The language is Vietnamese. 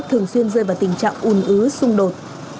thường xuyên rơi vào tình trạng ùn ứ xung đột